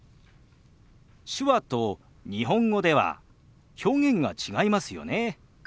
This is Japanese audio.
手話と日本語では表現が違いますよね。